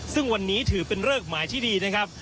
ซึ่งวันนี้ถือเป็นเริกหมายที่ดีนะครับ